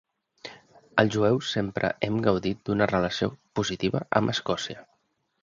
Els jueus sempre hem gaudit d’una relació positiva amb Escòcia.